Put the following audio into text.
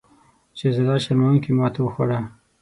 شهزاده شرموونکې ماته وخوړه.